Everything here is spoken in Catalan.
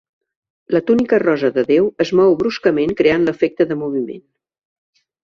La túnica rosa de Déu es mou bruscament creant l'efecte de moviment.